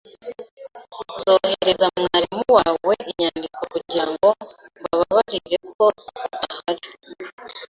Nzohereza mwarimu wawe inyandiko kugirango mbabarire ko udahari.